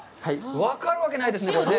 分かるわけないですね、これね。